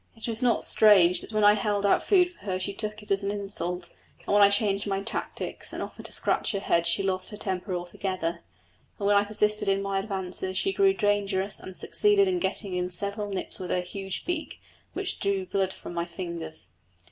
It was not strange that when I held out food for her she took it as an insult, and when I changed my tactics and offered to scratch her head she lost her temper altogether, and when I persisted in my advances she grew dangerous and succeeded in getting in several nips with her huge beak, which drew blood from my fingers.